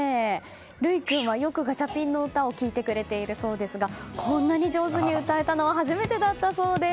琉生君はよくガチャピンの歌を聴いてくれているそうですがこんなに上手に歌えたのは初めてだったそうです。